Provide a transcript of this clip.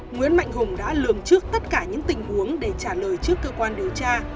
nguyễn mạnh hùng đã lường trước tất cả những tình huống để trả lời trước cơ quan điều tra